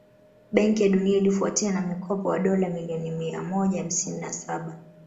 Benki ya Dunia ilifuatia na mkopo wa dola milioni miamoja hamsini na Saba